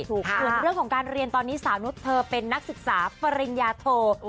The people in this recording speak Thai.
ถึงการเรียนตอนนี้สาหนุทเธอเป็นนักศึกษาเฟรงญาโท